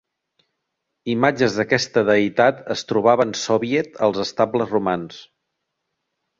Imatges d'aquesta deïtat es trobaven soviet als estables romans.